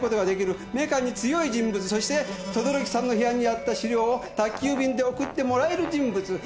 そして等々力さんの部屋にあった資料を宅急便で送ってもらえる人物。